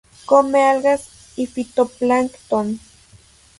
Come algas y fitoplancton.